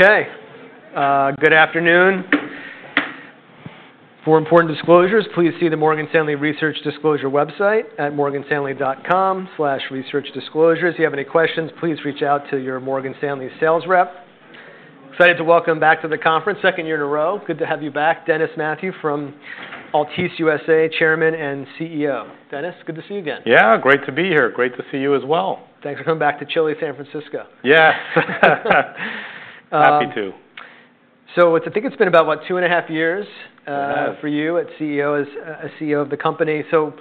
Okay. Good afternoon. For important disclosures, please see the Morgan Stanley Research Disclosure website at morganstanley.com/researchdisclosures. If you have any questions, please reach out to your Morgan Stanley sales rep. Excited to welcome back to the conference, second year in a row. Good to have you back, Dennis Mathew from Altice USA, Chairman and CEO. Dennis, good to see you again. Yeah, great to be here. Great to see you as well. Thanks for coming back to San Francisco. Yes. Happy to. I think it's been about, what, two and a half years for you as CEO of the company. From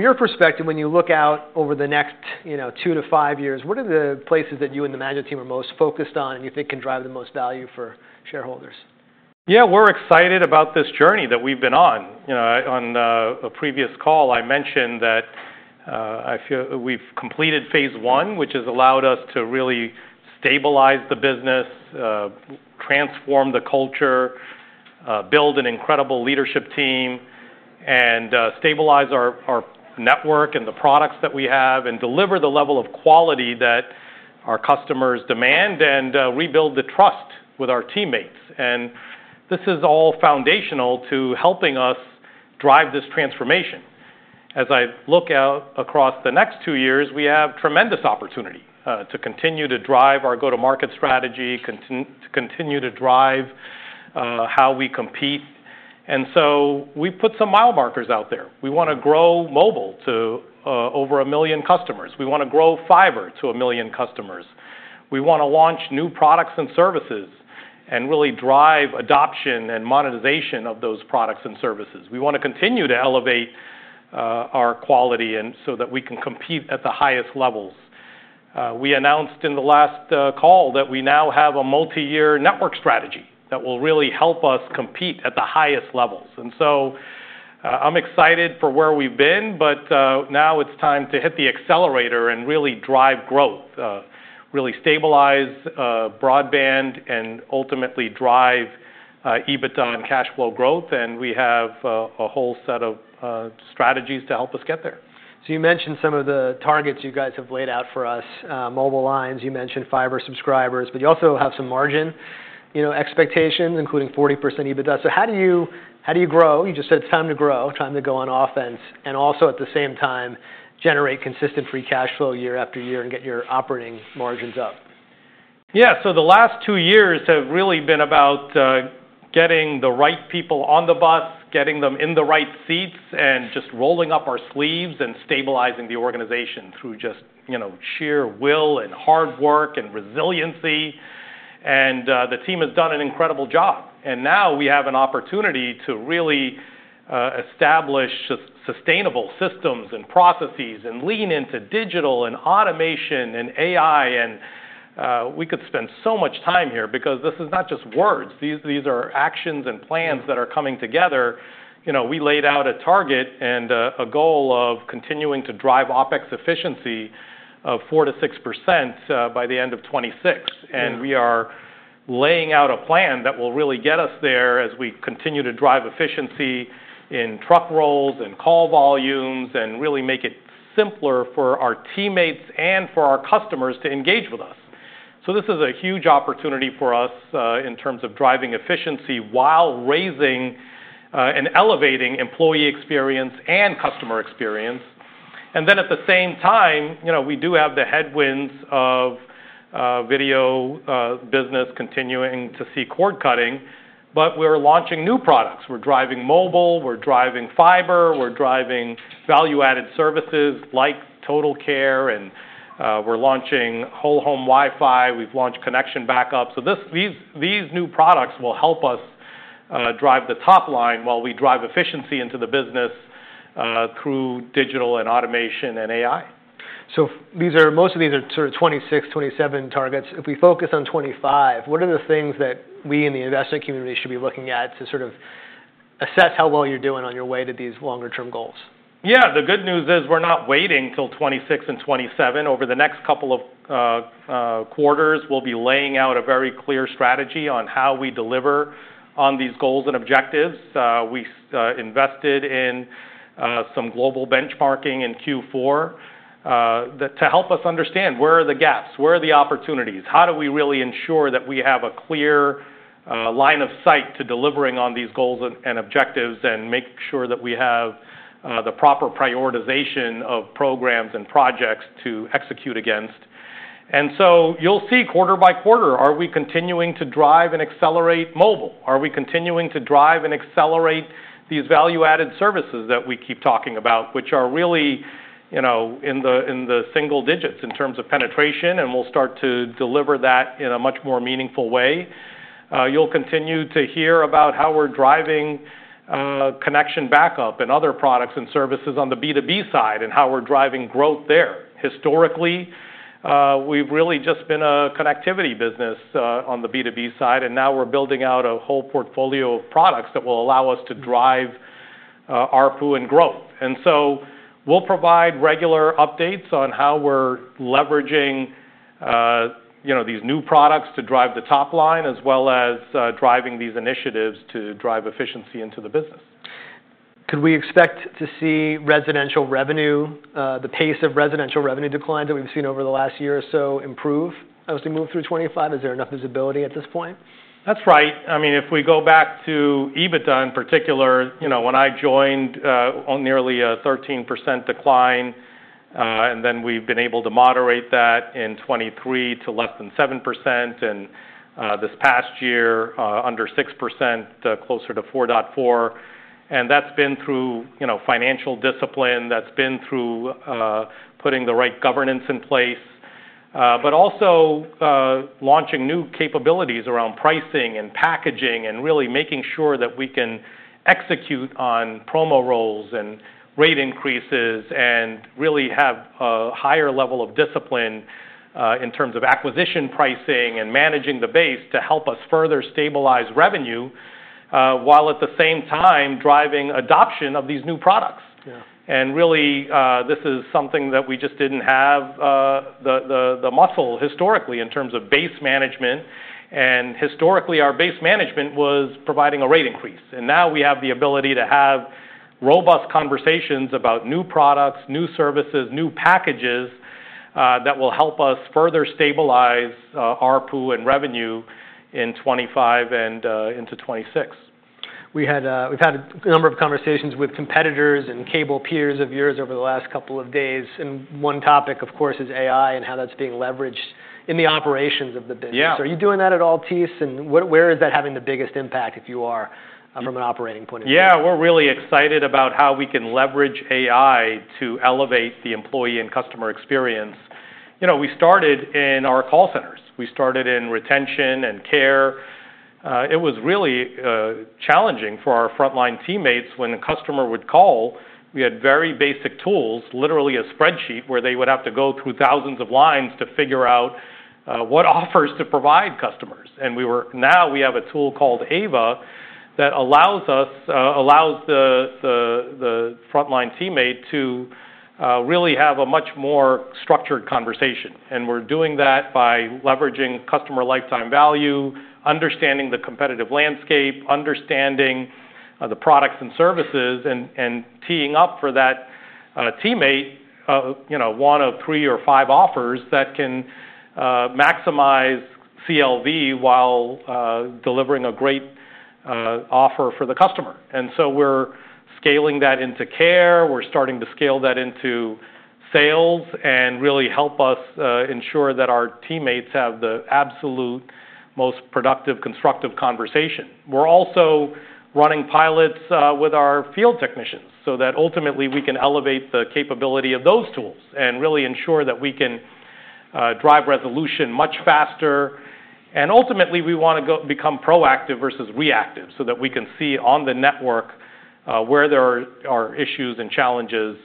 your perspective, when you look out over the next two to five years, what are the places that you and the management team are most focused on and you think can drive the most value for shareholders? Yeah, we're excited about this journey that we've been on. On a previous call, I mentioned that we've completed phase one, which has allowed us to really stabilize the business, transform the culture, build an incredible leadership team, and stabilize our network and the products that we have, and deliver the level of quality that our customers demand, and rebuild the trust with our teammates. This is all foundational to helping us drive this transformation. As I look out across the next two years, we have tremendous opportunity to continue to drive our go-to-market strategy, to continue to drive how we compete. We put some mile markers out there. We want to grow mobile to over a million customers. We want to grow fiber to a million customers. We want to launch new products and services and really drive adoption and monetization of those products and services. We want to continue to elevate our quality so that we can compete at the highest levels. We announced in the last call that we now have a multi-year network strategy that will really help us compete at the highest levels. I am excited for where we have been, but now it is time to hit the accelerator and really drive growth, really stabilize broadband, and ultimately drive EBITDA and cash flow growth. We have a whole set of strategies to help us get there. You mentioned some of the targets you guys have laid out for us: mobile lines, you mentioned fiber subscribers, but you also have some margin expectations, including 40% EBITDA. How do you grow? You just said it's time to grow, time to go on offense, and also at the same time generate consistent free cash flow year after year and get your operating margins up. Yeah, the last two years have really been about getting the right people on the bus, getting them in the right seats, and just rolling up our sleeves and stabilizing the organization through just sheer will and hard work and resiliency. The team has done an incredible job. Now we have an opportunity to really establish sustainable systems and processes and lean into digital and automation and AI. We could spend so much time here because this is not just words. These are actions and plans that are coming together. We laid out a target and a goal of continuing to drive OpEx efficiency of 4%-6% by the end of 2026. We are laying out a plan that will really get us there as we continue to drive efficiency in truck rolls and call volumes and really make it simpler for our teammates and for our customers to engage with us. This is a huge opportunity for us in terms of driving efficiency while raising and elevating employee experience and customer experience. At the same time, we do have the headwinds of video business continuing to see cord cutting, but we're launching new products. We're driving mobile, we're driving fiber, we're driving value-added services like TotalCare, and we're launching Whole Home Wi-Fi. We've launched Connection Backup. These new products will help us drive the top line while we drive efficiency into the business through digital and automation and AI. Most of these are sort of 2026, 2027 targets. If we focus on 2025, what are the things that we in the investment community should be looking at to sort of assess how well you're doing on your way to these longer-term goals? Yeah, the good news is we're not waiting till 2026 and 2027. Over the next couple of quarters, we'll be laying out a very clear strategy on how we deliver on these goals and objectives. We invested in some global benchmarking in Q4 to help us understand where are the gaps, where are the opportunities, how do we really ensure that we have a clear line of sight to delivering on these goals and objectives and make sure that we have the proper prioritization of programs and projects to execute against. You'll see quarter by quarter, are we continuing to drive and accelerate mobile? Are we continuing to drive and accelerate these value-added services that we keep talking about, which are really in the single digits in terms of penetration, and we'll start to deliver that in a much more meaningful way. You'll continue to hear about how we're driving Connection Backup and other products and services on the B2B side and how we're driving growth there. Historically, we've really just been a connectivity business on the B2B side, and now we're building out a whole portfolio of products that will allow us to drive ARPU and growth. We'll provide regular updates on how we're leveraging these new products to drive the top line as well as driving these initiatives to drive efficiency into the business. Could we expect to see residential revenue, the pace of residential revenue declines that we've seen over the last year or so, improve as we move through 2025? Is there enough visibility at this point? That's right. I mean, if we go back to EBITDA in particular, when I joined, nearly a 13% decline, and then we've been able to moderate that in 2023 to less than 7%, and this past year under 6%, closer to 4.4%. That's been through financial discipline, that's been through putting the right governance in place, but also launching new capabilities around pricing and packaging and really making sure that we can execute on promo rolls and rate increases and really have a higher level of discipline in terms of acquisition pricing and managing the base to help us further stabilize revenue while at the same time driving adoption of these new products. Really, this is something that we just didn't have the muscle historically in terms of base management. Historically, our base management was providing a rate increase. We now have the ability to have robust conversations about new products, new services, new packages that will help us further stabilize ARPU and revenue in 2025 and into 2026. We've had a number of conversations with competitors and cable peers of yours over the last couple of days. One topic, of course, is AI and how that's being leveraged in the operations of the business. Are you doing that at Altice? Where is that having the biggest impact if you are from an operating point of view? Yeah, we're really excited about how we can leverage AI to elevate the employee and customer experience. We started in our call centers. We started in retention and care. It was really challenging for our frontline teammates when a customer would call. We had very basic tools, literally a spreadsheet where they would have to go through thousands of lines to figure out what offers to provide customers. Now we have a tool called Ava that allows the frontline teammate to really have a much more structured conversation. We are doing that by leveraging customer lifetime value, understanding the competitive landscape, understanding the products and services, and teeing up for that teammate one of three or five offers that can maximize CLV while delivering a great offer for the customer. We are scaling that into care. We're starting to scale that into sales and really help us ensure that our teammates have the absolute most productive, constructive conversation. We're also running pilots with our field technicians so that ultimately we can elevate the capability of those tools and really ensure that we can drive resolution much faster. Ultimately, we want to become proactive versus reactive so that we can see on the network where there are issues and challenges.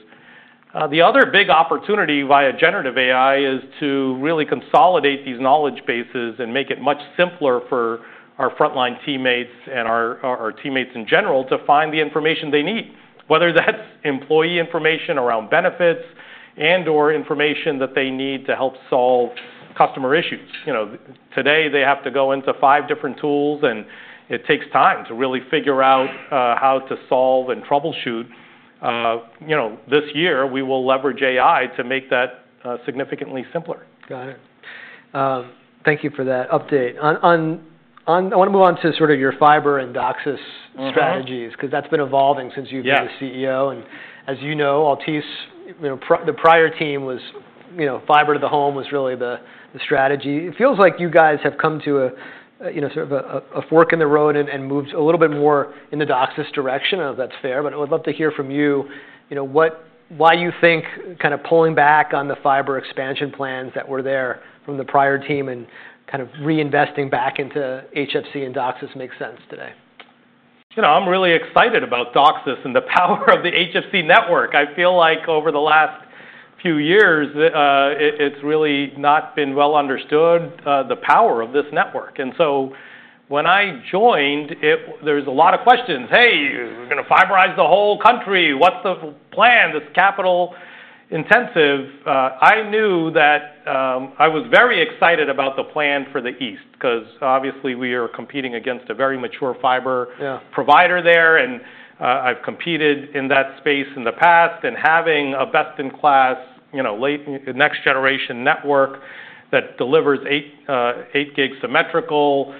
The other big opportunity via generative AI is to really consolidate these knowledge bases and make it much simpler for our frontline teammates and our teammates in general to find the information they need, whether that's employee information around benefits and/or information that they need to help solve customer issues. Today, they have to go into five different tools, and it takes time to really figure out how to solve and troubleshoot. This year, we will leverage AI to make that significantly simpler. Got it. Thank you for that update. I want to move on to sort of your fiber and DOCSIS strategies because that's been evolving since you've been the CEO. As you know, Altice, the prior team was fiber to the home was really the strategy. It feels like you guys have come to sort of a fork in the road and moved a little bit more in the DOCSIS direction. That's fair, but I would love to hear from you why you think kind of pulling back on the fiber expansion plans that were there from the prior team and kind of reinvesting back into HFC and DOCSIS makes sense today. I'm really excited about DOCSIS and the power of the HFC network. I feel like over the last few years, it's really not been well understood, the power of this network. When I joined, there was a lot of questions. Hey, we're going to fiberize the whole country. What's the plan? This capital-intensive. I knew that I was very excited about the plan for the East because obviously we are competing against a very mature fiber provider there. I've competed in that space in the past. Having a best-in-class, next-generation network that delivers eight gig symmetrical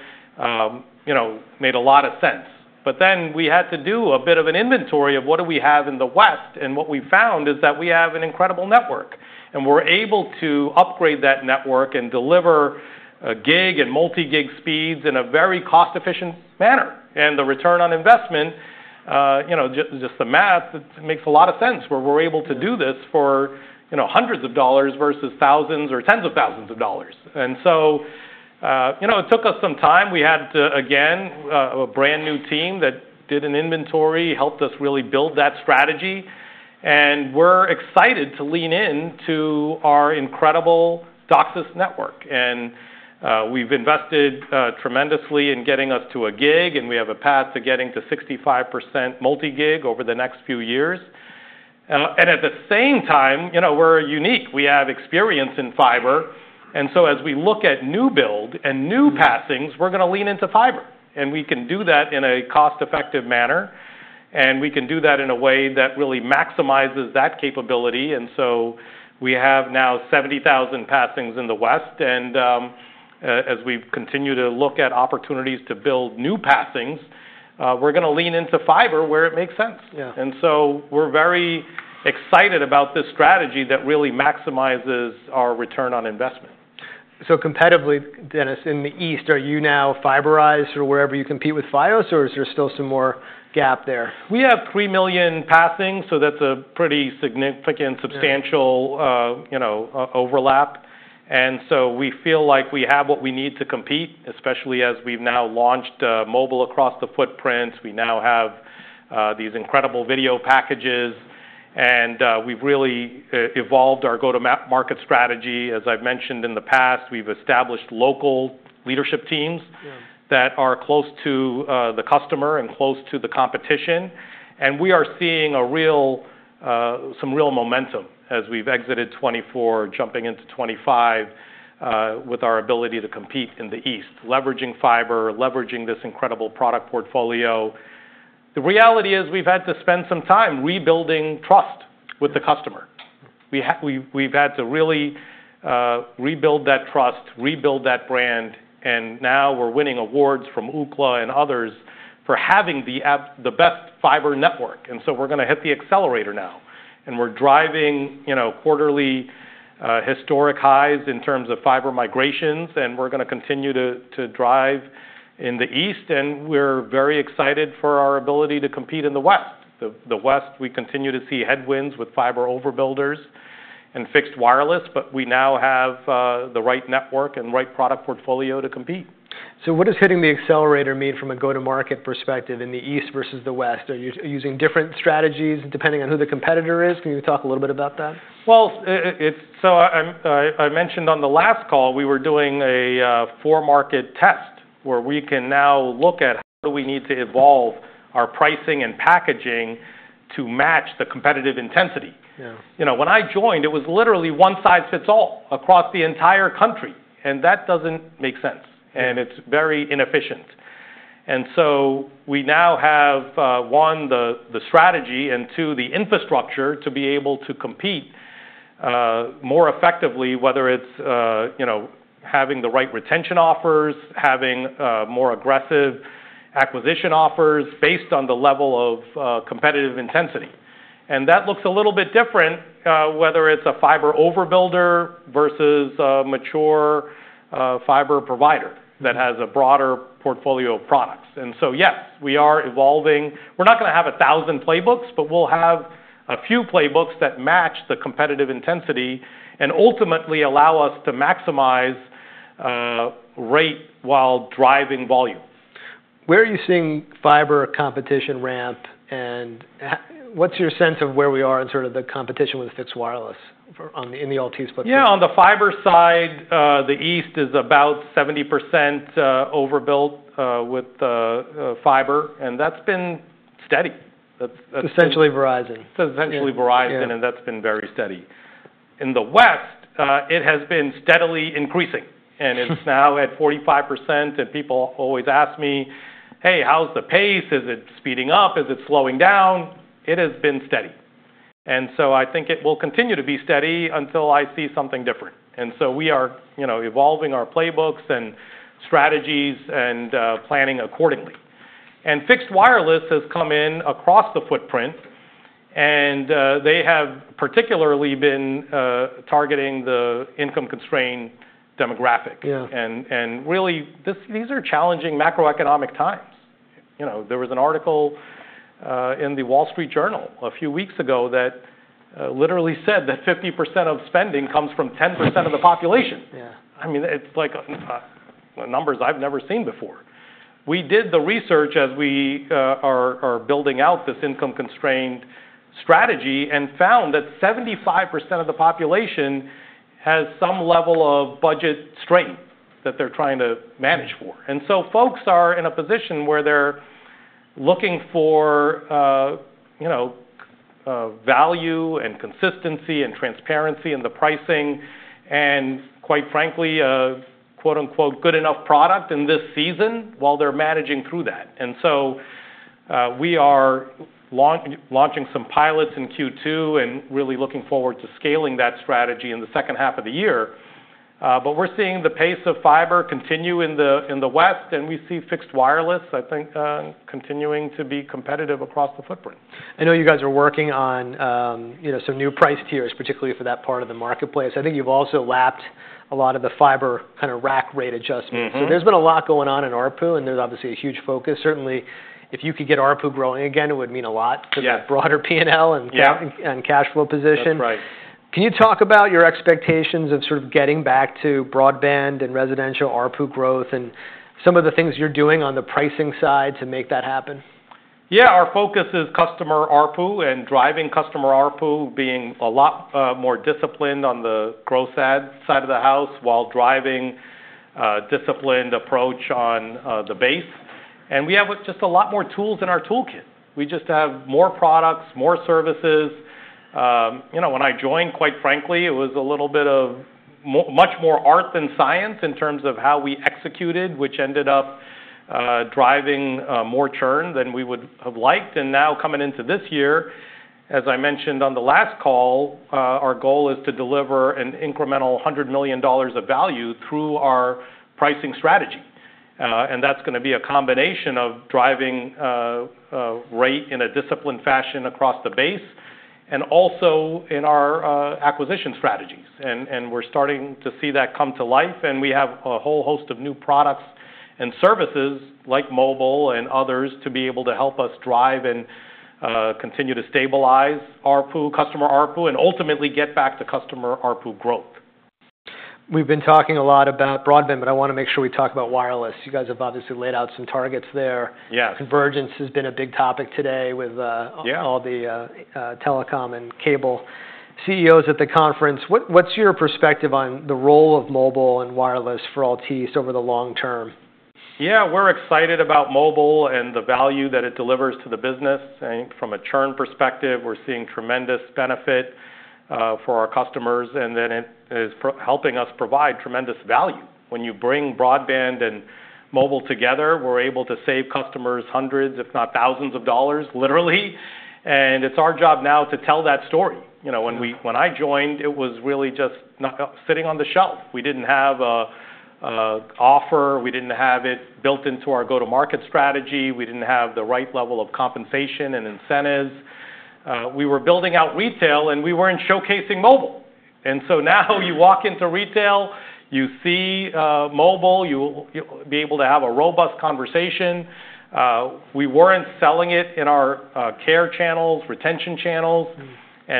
made a lot of sense. We had to do a bit of an inventory of what do we have in the West. What we found is that we have an incredible network. We're able to upgrade that network and deliver gig and multi-gig speeds in a very cost-efficient manner. The return on investment, just the math, makes a lot of sense where we're able to do this for hundreds of dollars versus thousands or tens of thousands of dollars. It took us some time. We had, again, a brand new team that did an inventory, helped us really build that strategy. We're excited to lean into our incredible DOCSIS network. We've invested tremendously in getting us to a gig, and we have a path to getting to 65% multi-gig over the next few years. At the same time, we're unique. We have experience in fiber. As we look at new build and new passings, we're going to lean into fiber. We can do that in a cost-effective manner. We can do that in a way that really maximizes that capability. We have now 70,000 passings in the West. As we continue to look at opportunities to build new passings, we're going to lean into fiber where it makes sense. We are very excited about this strategy that really maximizes our return on investment. Competitively, Dennis, in the East, are you now fiberized or wherever you compete with FIOS, or is there still some more gap there? We have 3 million passings, so that's a pretty significant, substantial overlap. We feel like we have what we need to compete, especially as we've now launched mobile across the footprint. We now have these incredible video packages. We've really evolved our go-to-market strategy. As I've mentioned in the past, we've established local leadership teams that are close to the customer and close to the competition. We are seeing some real momentum as we've exited 2024, jumping into 2025 with our ability to compete in the East, leveraging fiber, leveraging this incredible product portfolio. The reality is we've had to spend some time rebuilding trust with the customer. We've had to really rebuild that trust, rebuild that brand. Now we're winning awards from Ookla and others for having the best fiber network. We are going to hit the accelerator now. We are driving quarterly historic highs in terms of fiber migrations. We are going to continue to drive in the East. We are very excited for our ability to compete in the West. The West, we continue to see headwinds with fiber overbuilders and fixed wireless, but we now have the right network and right product portfolio to compete. What does hitting the accelerator mean from a go-to-market perspective in the East versus the West? Are you using different strategies depending on who the competitor is? Can you talk a little bit about that? I mentioned on the last call, we were doing a for-market test where we can now look at how do we need to evolve our pricing and packaging to match the competitive intensity. When I joined, it was literally one size fits all across the entire country. That does not make sense. It is very inefficient. We now have, one, the strategy and, two, the infrastructure to be able to compete more effectively, whether it is having the right retention offers, having more aggressive acquisition offers based on the level of competitive intensity. That looks a little bit different, whether it is a fiber overbuilder versus a mature fiber provider that has a broader portfolio of products. Yes, we are evolving. We're not going to have a thousand playbooks, but we'll have a few playbooks that match the competitive intensity and ultimately allow us to maximize rate while driving volume. Where are you seeing fiber competition ramp? What's your sense of where we are in sort of the competition with fixed wireless in the Altice footprint? Yeah, on the fiber side, the East is about 70% overbuilt with fiber. And that's been steady. Essentially Verizon. Essentially Verizon, and that's been very steady. In the West, it has been steadily increasing. It's now at 45%. People always ask me, "Hey, how's the pace? Is it speeding up? Is it slowing down?" It has been steady. I think it will continue to be steady until I see something different. We are evolving our playbooks and strategies and planning accordingly. Fixed wireless has come in across the footprint. They have particularly been targeting the income-constrained demographic. Really, these are challenging macroeconomic times. There was an article in the Wall Street Journal a few weeks ago that literally said that 50% of spending comes from 10% of the population. I mean, it's like numbers I've never seen before. We did the research as we are building out this income-constrained strategy and found that 75% of the population has some level of budget strain that they're trying to manage for. Folks are in a position where they're looking for value and consistency and transparency in the pricing and, quite frankly, a "good enough product" in this season while they're managing through that. We are launching some pilots in Q2 and really looking forward to scaling that strategy in the second half of the year. We are seeing the pace of fiber continue in the West. We see fixed wireless, I think, continuing to be competitive across the footprint. I know you guys are working on some new price tiers, particularly for that part of the marketplace. I think you've also lapped a lot of the fiber kind of rack rate adjustment. There's been a lot going on in ARPU, and there's obviously a huge focus. Certainly, if you could get ARPU growing again, it would mean a lot for that broader P&L and cash flow position. Can you talk about your expectations of sort of getting back to broadband and residential ARPU growth and some of the things you're doing on the pricing side to make that happen? Yeah, our focus is customer ARPU and driving customer ARPU, being a lot more disciplined on the growth side of the house while driving a disciplined approach on the base. We have just a lot more tools in our toolkit. We just have more products, more services. When I joined, quite frankly, it was a little bit of much more art than science in terms of how we executed, which ended up driving more churn than we would have liked. Now coming into this year, as I mentioned on the last call, our goal is to deliver an incremental $100 million of value through our pricing strategy. That is going to be a combination of driving rate in a disciplined fashion across the base and also in our acquisition strategies. We are starting to see that come to life. We have a whole host of new products and services like mobile and others to be able to help us drive and continue to stabilize ARPU, customer ARPU, and ultimately get back to customer ARPU growth. We've been talking a lot about broadband, but I want to make sure we talk about wireless. You guys have obviously laid out some targets there. Yes. Convergence has been a big topic today with all the telecom and cable CEOs at the conference. What's your perspective on the role of mobile and wireless for Altice over the long term? Yeah, we're excited about mobile and the value that it delivers to the business. I think from a churn perspective, we're seeing tremendous benefit for our customers. It is helping us provide tremendous value. When you bring broadband and mobile together, we're able to save customers hundreds, if not thousands of dollars, literally. It's our job now to tell that story. When I joined, it was really just sitting on the shelf. We didn't have an offer. We didn't have it built into our go-to-market strategy. We didn't have the right level of compensation and incentives. We were building out retail, and we weren't showcasing mobile. Now you walk into retail, you see mobile, you'll be able to have a robust conversation. We weren't selling it in our care channels, retention channels.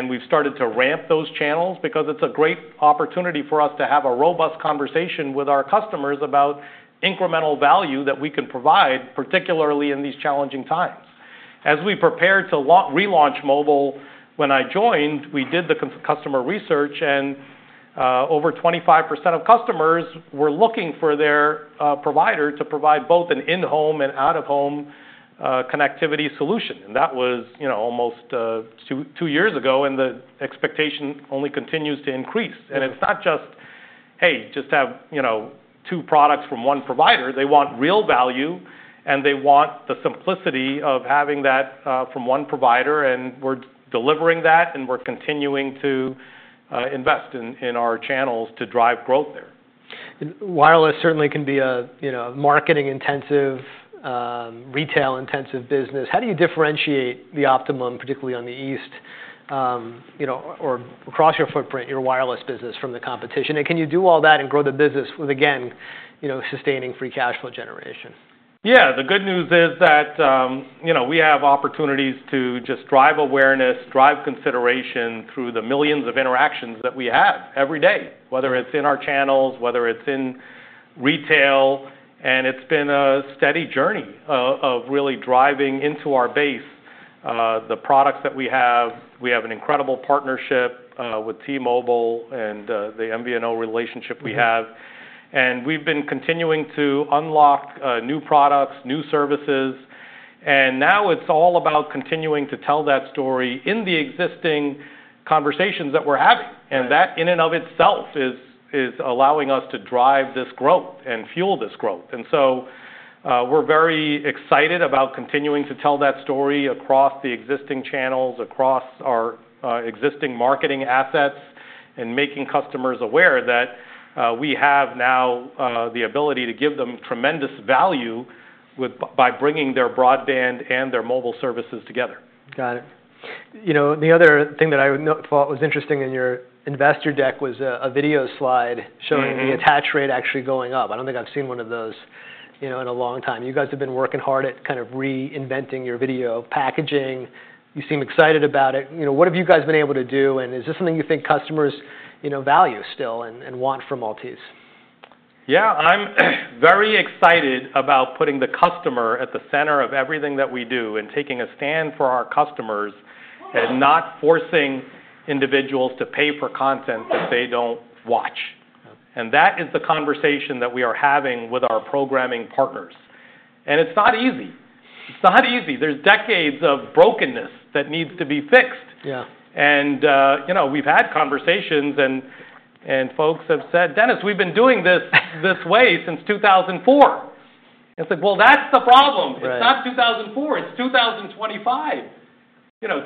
We have started to ramp those channels because it is a great opportunity for us to have a robust conversation with our customers about incremental value that we can provide, particularly in these challenging times. As we prepared to relaunch mobile, when I joined, we did the customer research. Over 25% of customers were looking for their provider to provide both an in-home and out-of-home connectivity solution. That was almost two years ago. The expectation only continues to increase. It is not just, "Hey, just have two products from one provider." They want real value, and they want the simplicity of having that from one provider. We are delivering that, and we are continuing to invest in our channels to drive growth there. Wireless certainly can be a marketing-intensive, retail-intensive business. How do you differentiate the Optimum, particularly on the East or across your footprint, your wireless business from the competition? Can you do all that and grow the business with, again, sustaining free cash flow generation? Yeah, the good news is that we have opportunities to just drive awareness, drive consideration through the millions of interactions that we have every day, whether it's in our channels, whether it's in retail. It's been a steady journey of really driving into our base the products that we have. We have an incredible partnership with T-Mobile and the MVNO relationship we have. We've been continuing to unlock new products, new services. Now it's all about continuing to tell that story in the existing conversations that we're having. That in and of itself is allowing us to drive this growth and fuel this growth. We're very excited about continuing to tell that story across the existing channels, across our existing marketing assets, and making customers aware that we have now the ability to give them tremendous value by bringing their broadband and their mobile services together. Got it. The other thing that I thought was interesting in your investor deck was a video slide showing the attach rate actually going up. I do not think I have seen one of those in a long time. You guys have been working hard at kind of reinventing your video packaging. You seem excited about it. What have you guys been able to do? Is this something you think customers value still and want from Altice? Yeah, I'm very excited about putting the customer at the center of everything that we do and taking a stand for our customers and not forcing individuals to pay for content that they don't watch. That is the conversation that we are having with our programming partners. It's not easy. There's decades of brokenness that needs to be fixed. We've had conversations, and folks have said, "Dennis, we've been doing this this way since 2004." It's like, "Well, that's the problem. It's not 2004. It's 2025."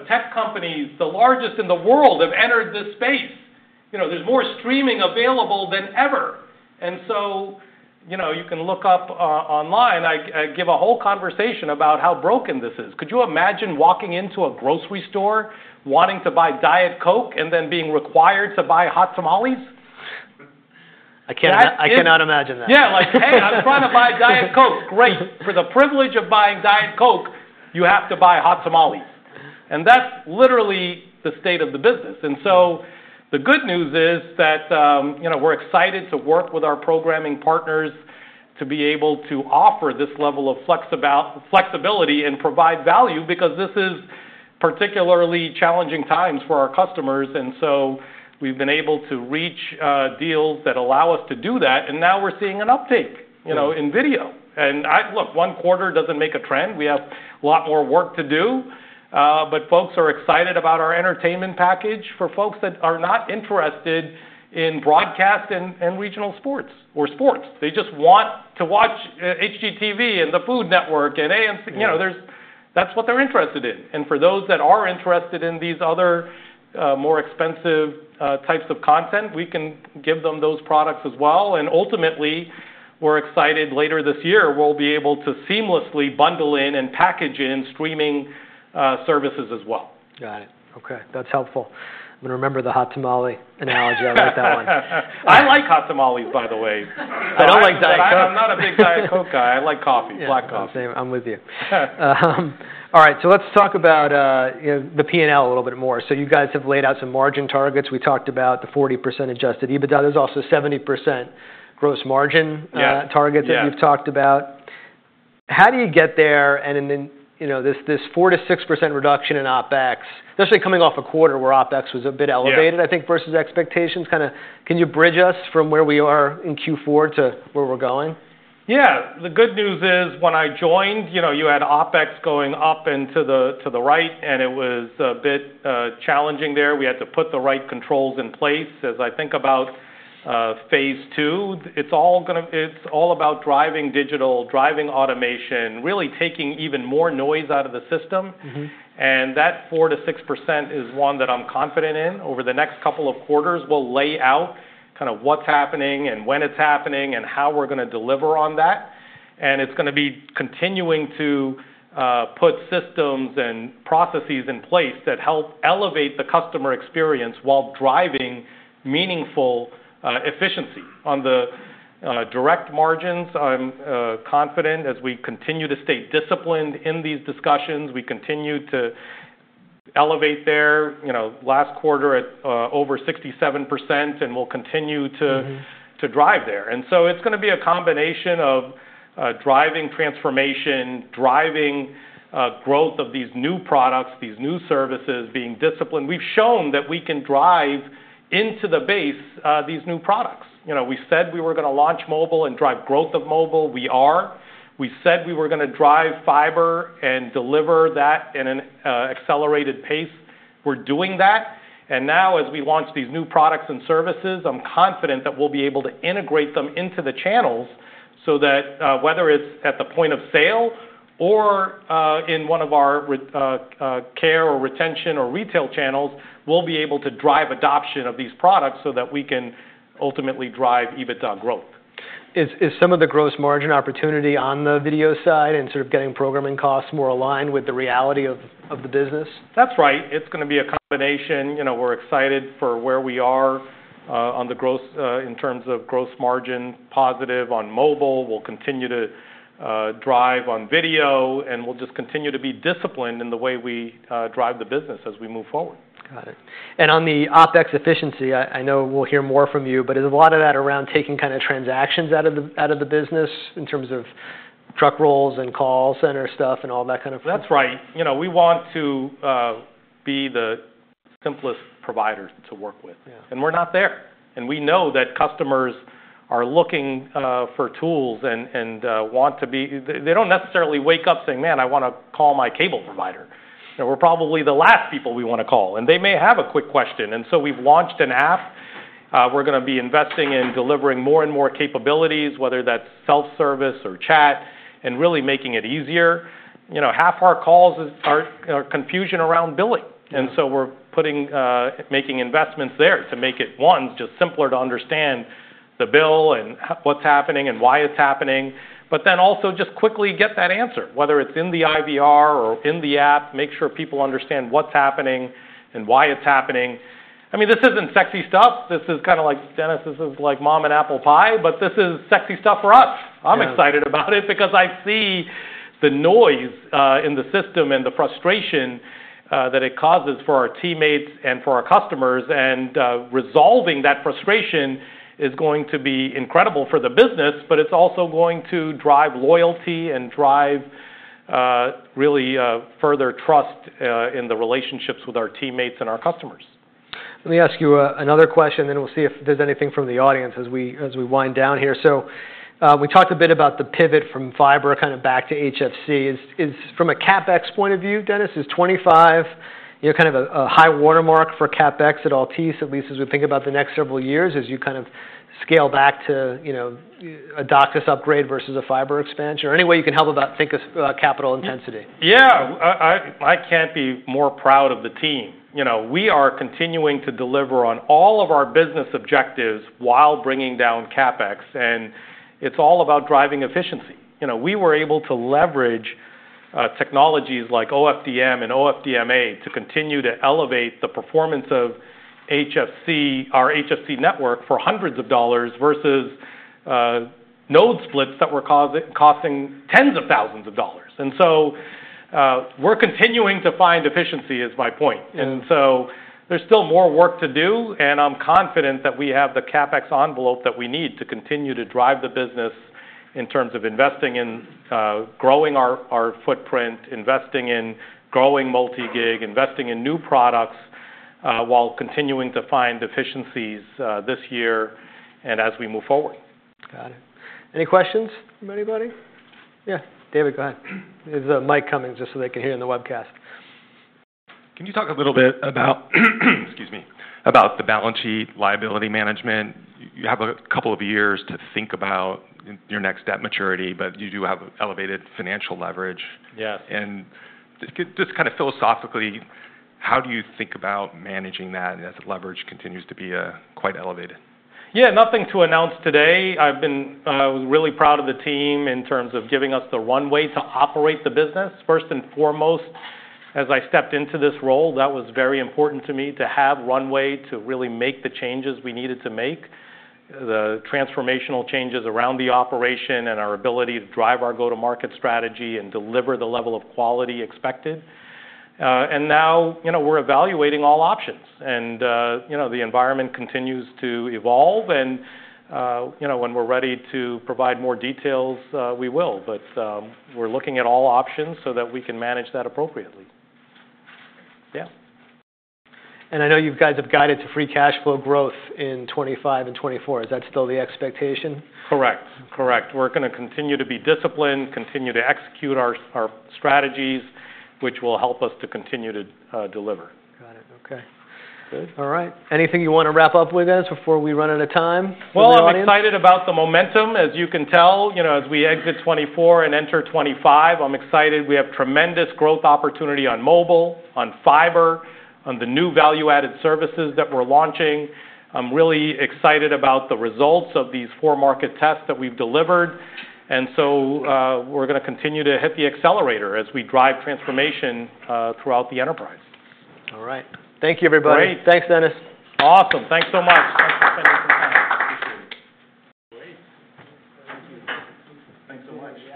Tech companies, the largest in the world, have entered this space. There's more streaming available than ever. You can look up online. I give a whole conversation about how broken this is. Could you imagine walking into a grocery store wanting to buy Diet Coke and then being required to buy Hot Tamales? I cannot imagine that. Yeah, like, "Hey, I'm trying to buy Diet Coke. Great. For the privilege of buying Diet Coke, you have to buy Hot Tamales." That is literally the state of the business. The good news is that we're excited to work with our programming partners to be able to offer this level of flexibility and provide value because this is particularly challenging times for our customers. We have been able to reach deals that allow us to do that. Now we're seeing an uptake in video. Look, one quarter doesn't make a trend. We have a lot more work to do. Folks are excited about our Entertainment Package for folks that are not interested in broadcast and regional sports or sports. They just want to watch HGTV and the Food Network and AMC. That's what they're interested in. For those that are interested in these other more expensive types of content, we can give them those products as well. Ultimately, we're excited later this year we'll be able to seamlessly bundle in and package in streaming services as well. Got it. Okay, that's helpful. I'm going to remember the Hot Tamale analogy. I like that one. I like Hot Tamales, by the way. I don't like Diet Coke. I'm not a big Diet Coke guy. I like coffee, black coffee. I'm the same. I'm with you. All right, let's talk about the P&L a little bit more. You guys have laid out some margin targets. We talked about the 40% adjusted EBITDA. There's also 70% gross margin targets that you've talked about. How do you get there? This 4%-6% reduction in OpEx, especially coming off a quarter where OpEx was a bit elevated, I think, versus expectations. Can you bridge us from where we are in Q4 to where we're going? Yeah, the good news is when I joined, you had OpEx going up and to the right, and it was a bit challenging there. We had to put the right controls in place. As I think about phase two, it's all about driving digital, driving automation, really taking even more noise out of the system. That 4%-6% is one that I'm confident in. Over the next couple of quarters, we'll lay out kind of what's happening and when it's happening and how we're going to deliver on that. It's going to be continuing to put systems and processes in place that help elevate the customer experience while driving meaningful efficiency on the direct margins. I'm confident as we continue to stay disciplined in these discussions, we continue to elevate there. Last quarter at over 67%, and we'll continue to drive there. It is going to be a combination of driving transformation, driving growth of these new products, these new services, being disciplined. We've shown that we can drive into the base these new products. We said we were going to launch mobile and drive growth of mobile. We are. We said we were going to drive fiber and deliver that in an accelerated pace. We're doing that. Now as we launch these new products and services, I'm confident that we'll be able to integrate them into the channels so that whether it's at the point of sale or in one of our care or retention or retail channels, we'll be able to drive adoption of these products so that we can ultimately drive EBITDA growth. Is some of the gross margin opportunity on the video side and sort of getting programming costs more aligned with the reality of the business? That's right. It's going to be a combination. We're excited for where we are on the growth in terms of gross margin positive on mobile. We'll continue to drive on video, and we'll just continue to be disciplined in the way we drive the business as we move forward. Got it. On the OpEx efficiency, I know we'll hear more from you, but is a lot of that around taking kind of transactions out of the business in terms of truck rolls and call center stuff and all that kind of thing? That's right. We want to be the simplest provider to work with. We're not there. We know that customers are looking for tools and want to be—they don't necessarily wake up saying, "Man, I want to call my cable provider." We're probably the last people they want to call. They may have a quick question. We've launched an app. We're going to be investing in delivering more and more capabilities, whether that's self-service or chat, and really making it easier. Half our calls are confusion around billing. We're making investments there to make it, one, just simpler to understand the bill and what's happening and why it's happening, but then also just quickly get that answer, whether it's in the IVR or in the app, make sure people understand what's happening and why it's happening. I mean, this isn't sexy stuff. This is kind of like, "Dennis, this is like mom and apple pie," but this is sexy stuff for us. I'm excited about it because I see the noise in the system and the frustration that it causes for our teammates and for our customers. Resolving that frustration is going to be incredible for the business, but it's also going to drive loyalty and drive really further trust in the relationships with our teammates and our customers. Let me ask you another question, then we'll see if there's anything from the audience as we wind down here. We talked a bit about the pivot from fiber kind of back to HFC. From a CapEx point of view, Dennis, is 2025 kind of a high watermark for CapEx at Altice USA, at least as we think about the next several years as you kind of scale back to a DOCSIS upgrade versus a fiber expansion or any way you can help think about capital intensity? Yeah, I can't be more proud of the team. We are continuing to deliver on all of our business objectives while bringing down CapEx. It's all about driving efficiency. We were able to leverage technologies like OFDM and OFDMA to continue to elevate the performance of our HFC network for hundreds of dollars versus node splits that were costing tens of thousands of dollars. We're continuing to find efficiency is my point. There's still more work to do. I'm confident that we have the CapEx envelope that we need to continue to drive the business in terms of investing in growing our footprint, investing in growing multi-gig, investing in new products while continuing to find efficiencies this year and as we move forward. Got it. Any questions from anybody? Yeah, David, go ahead. There's a mic coming just so they can hear in the webcast. Can you talk a little bit about the balance sheet liability management? You have a couple of years to think about your next step maturity, but you do have elevated financial leverage. Yes. Just kind of philosophically, how do you think about managing that as leverage continues to be quite elevated? Yeah, nothing to announce today. I was really proud of the team in terms of giving us the runway to operate the business. First and foremost, as I stepped into this role, that was very important to me to have runway to really make the changes we needed to make, the transformational changes around the operation and our ability to drive our go-to-market strategy and deliver the level of quality expected. Now we're evaluating all options. The environment continues to evolve. When we're ready to provide more details, we will. We're looking at all options so that we can manage that appropriately. Yeah. I know you guys have guided to free cash flow growth in 2025 and 2024. Is that still the expectation? Correct. Correct. We're going to continue to be disciplined, continue to execute our strategies, which will help us to continue to deliver. Got it. Okay. All right. Anything you want to wrap up with, Dennis, before we run out of time? I'm excited about the momentum. As you can tell, as we exit 2024 and enter 2025, I'm excited. We have tremendous growth opportunity on mobile, on fiber, on the new value-added services that we're launching. I'm really excited about the results of these four market tests that we've delivered. We are going to continue to hit the accelerator as we drive transformation throughout the enterprise. All right. Thank you, everybody. Great. Thanks, Dennis. Awesome. Thanks so much. Thanks for spending some time. Thank you so much.